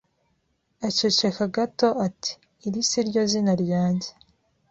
Aceceka gato ati: “Iri si ryo zina ryanjye.